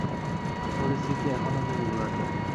পরিস্থিতি এখনও বেশ ঘোলাটে।